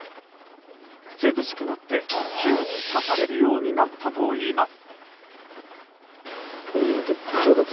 涼しくなって急に刺されるようになったといいます。